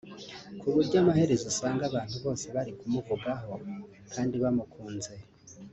ku buryo amaherezo usanga abantu bose bari kumuvugaho kandi bamukunze